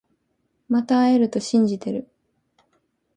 また会えると信じてる